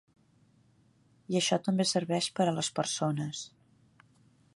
I això també serveix per a les persones.